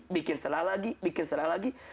bikin salah lagi bikin salah lagi